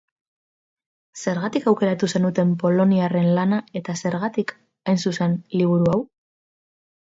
Zergatik aukeratu zenuten poloniarraren lana eta zergatik, hain zuzen, liburu hau?